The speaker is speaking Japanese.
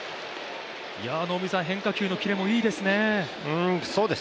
変化球のキレもいいですね。